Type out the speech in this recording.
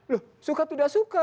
loh suka tidak suka